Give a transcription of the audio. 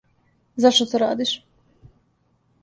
Зашто то радиш?